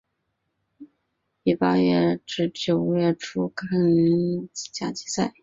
于八月至九月初展开连胜佳绩。